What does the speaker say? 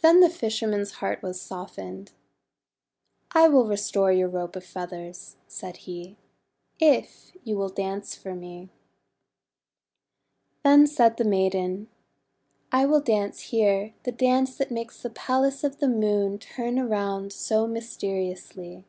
Then the fisherman's heart was softened. ;<I will restore your Robe of Feathers/' he said, "if you will dance for me." Then said the maiden: :'I will dance here the dance that makes the Palace of the Moon turn around so mysteriously.